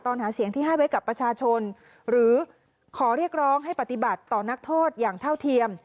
หาเสียงที่ให้ไว้กับประชาชนหรือขอเรียกร้องให้ปฏิบัติต่อนักโทษอย่างเท่าเทียม